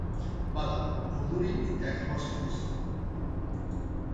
Bada, urduri eta emozioz.